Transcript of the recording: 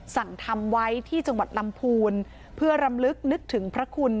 สั่งทำไว้ที่จังหวัดลำพูนเพื่อรำลึกนึกถึงพระคุณ